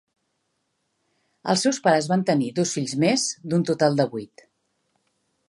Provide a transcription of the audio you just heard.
Els seus pares van tenir dos fills més, d'un total de vuit.